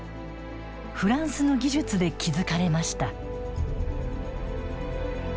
フランスの技術で築かれました。